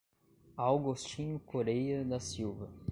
Augostinho Coreia da Silva